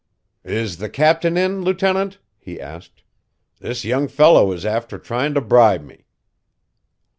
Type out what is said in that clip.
"Is the captain in, Lieutenant?" he asked. "This young fellow is after trying to bribe me."